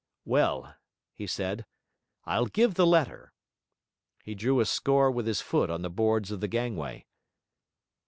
'Well,' he said, 'I'll give the letter.' He drew a score with his foot on the boards of the gangway.